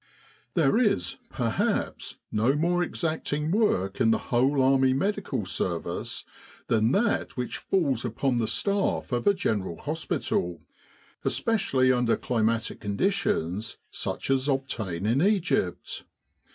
There is, perhaps, no more exacting work in the whole Army Medical Service than that which falls upon the staff of a General Hospital, especially under climatic conditions such as obtain in Egypt.